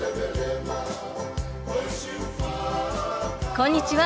こんにちは。